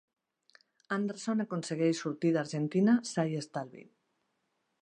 Anderson aconsegueix sortir d'Argentina sa i estalvi.